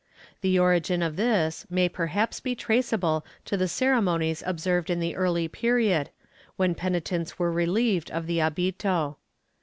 The origin of this may perhaps be traceable to the ceremonies observed in the early period, when penitents were reUeved of the ahito.